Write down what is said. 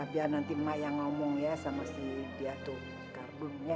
biar nanti mak yang ngomong ya sama si dia tuh khardun ya